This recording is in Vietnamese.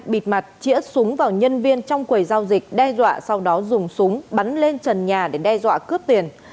bịt mặt chỉa súng vào nhân viên trong quầy giao dịch đe dọa sau đó dùng súng bắn lên trần nhà để đe dọa cướp tiền